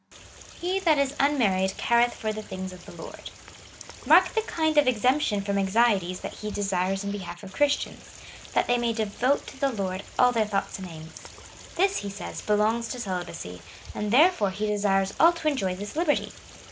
^ He that is unmarried careth for the things of the Lord. Mark the kind of exemption from anxieties that he desires in behalf of Christians — that they may devote to the Lord all their thoughts and aims. This, he says, belongs to celi bacy ; and therefore he desires all to enjoy this liberty.